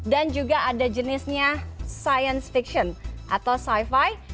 dan juga ada jenisnya science fiction atau sci fi